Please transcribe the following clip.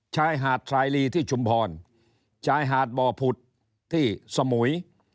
ชายหาดทรายลีที่ชุมพรชายหาดบ่อผุดที่สมุย